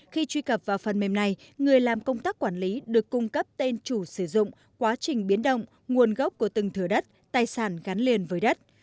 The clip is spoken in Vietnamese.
khi truy cập vào phần mềm này người làm công tác quản lý được cung cấp tên chủ sử dụng quá trình biến động nguồn gốc của từng thửa đất tài sản gắn liền với đất